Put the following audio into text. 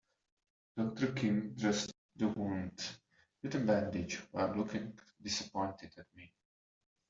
Doctor Kim dressed the wound with a bandage while looking disappointed at me.